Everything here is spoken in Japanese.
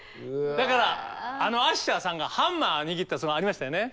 だからアッシャーさんがハンマー握ったのありましたよね。